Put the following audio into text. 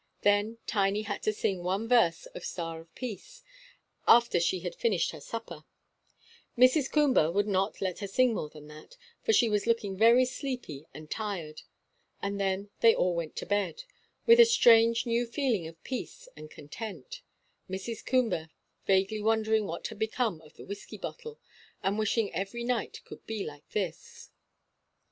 Then Tiny had to sing one verse of "Star of Peace," after she had finished her supper Mrs. Coomber would not let her sing more than that, for she was looking very sleepy and tired and then they all went to bed, with a strange, new feeling of peace and content, Mrs. Coomber vaguely wondering what had become of the whisky bottle, and wishing every night could be like this.